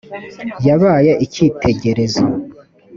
yabaye icyitegerezo.